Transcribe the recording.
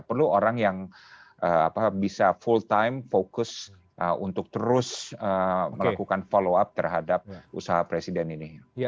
perlu orang yang bisa full time fokus untuk terus melakukan follow up terhadap usaha presiden ini